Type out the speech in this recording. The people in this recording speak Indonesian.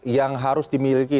yang harus dimiliki